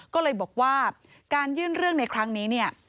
ก็เลยบอกว่าการยื่นเรื่องในครั้งนี้เนี่ย